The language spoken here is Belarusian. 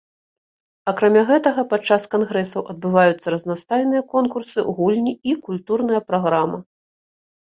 Акрамя гэтага падчас кангрэсаў адбываюцца разнастайныя конкурсы, гульні і культурная праграма.